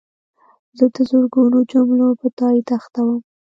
زه د زرګونو جملو په تایید اخته وم.